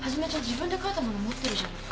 自分で書いたもの持ってるじゃない。